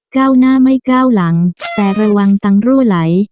ก้าวหน้าไม่ก้าวหลังแต่ระวังตังรั่วไหล